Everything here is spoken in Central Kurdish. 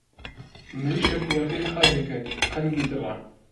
مریشک هێلکهی قازی کرد قنگی دڕا